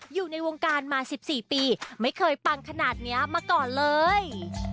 อยู่ในวงการมา๑๔ปีไม่เคยปังขนาดนี้มาก่อนเลย